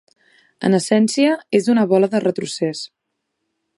En essència, és una bola de retrocés.